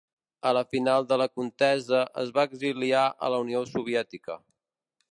Al final de la contesa es va exiliar a la Unió Soviètica.